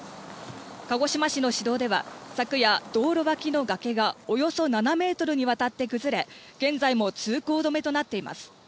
鹿児島市の市道では昨夜、道路脇の崖がおよそ７ｍにわたって崩れ、現在も通行止めとなっています。